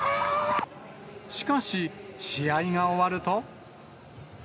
しかし、試合が終わると。